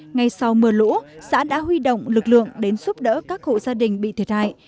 ngay sau mưa lũ xã đã huy động lực lượng đến giúp đỡ các hộ gia đình bị thiệt hại